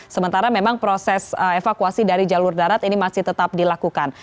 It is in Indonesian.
sementara memang proses evakuasi dari jalur darat ini masih tetap dilakukan